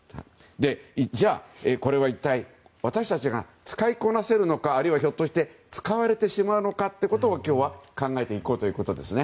じゃあ、これは一体私たちが使いこなせるのかもしくは、ひょっとして使われてしまうのかを、今日は考えていこうということです。